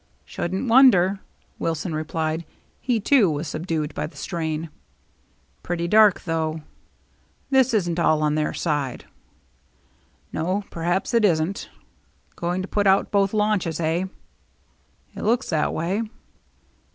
"Shouldn't wonder," Wilson replied. He, too, was subdued by the strain. "Pretty dark, though." "That isn't all on their side." "No, perhaps it isn't. Going to put out both launches, eh?" "It looks that way."